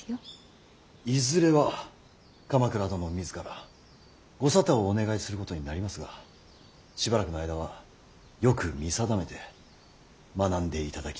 いずれは鎌倉殿自らご沙汰をお願いすることになりますがしばらくの間はよく見定めて学んでいただきたいと存じます。